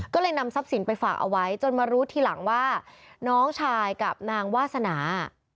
ก็เลยนำทรัพย์สินไปฝากเอาไว้จนมารู้ทีหลังว่าน้องชายกับนางวาสนา